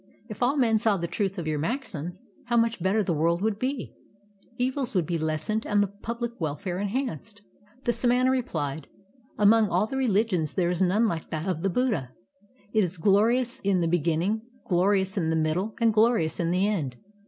If all men saw the truth of your maxims, how much better the world would be ! Evils would be less ened, and public welfare enhanced." The samana replied: "Among all the religions there is none like that of the Buddha. It is glorious in the be ginning, glorious in the middle, and glorious in the end.